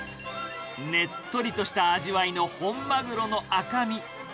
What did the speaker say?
ねっとりとした味わいの本マグロの赤身。